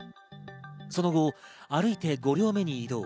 その後、歩いて５両目に移動。